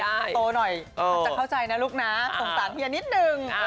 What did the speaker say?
เดี๋ยววันใหม่โตหน่อยจะเข้าใจนะลูกนะสงสารเฮียนิดนึง